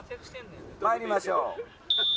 参りましょう。